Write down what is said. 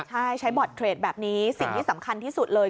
ใช่ใช้บอร์ดเทรดแบบนี้สิ่งที่สำคัญที่สุดเลย